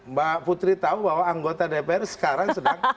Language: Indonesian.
mbak putri tahu bahwa anggota dpr sekarang sedang